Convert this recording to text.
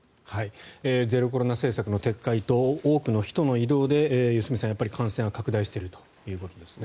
ゼロコロナ政策の撤回と多くの人の移動で良純さん、感染は拡大しているということですね。